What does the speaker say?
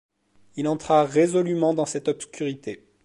Il entra résolument dans cette obscurité.